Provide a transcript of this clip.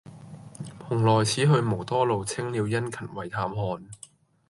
蓬萊此去無多路，青鳥殷勤為探看。